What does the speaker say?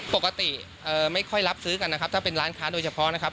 ปกติไม่ค่อยรับซื้อกันนะครับถ้าเป็นร้านค้าโดยเฉพาะนะครับ